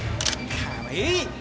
かわいい！